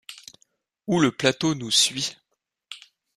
Où le plateau nous suit.